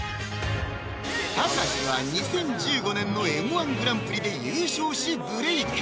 たかしは２０１５年の「Ｍ−１グランプリ」で優勝しブレイク